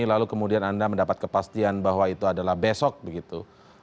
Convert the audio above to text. lalu kemudian anda mendapat kepastian bahwa itu adalah besok begitu